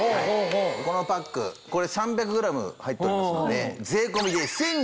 このパックこれ３００ｇ入っておりますので。